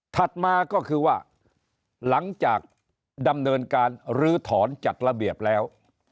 มาก็คือว่าหลังจากดำเนินการลื้อถอนจัดระเบียบแล้ว